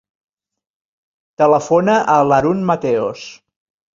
Telefona a l'Haroun Mateos.